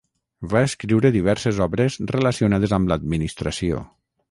Va escriure diverses obres relacionades amb l'administració.